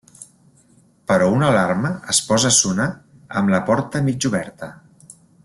Però una alarma es posa a sonar amb la porta mig oberta.